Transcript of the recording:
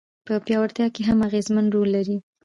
په پياوړتيا کي هم اغېزمن رول لري.